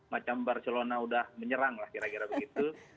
macam barcelona udah menyerang lah kira kira begitu